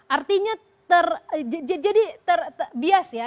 artinya terbias ya